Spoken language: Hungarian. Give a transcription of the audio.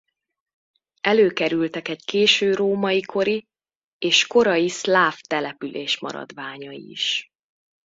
Előkerültek egy késő római kori és korai szláv település maradványai is.